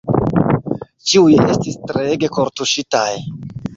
Ĉiuj estis treege kortuŝitaj.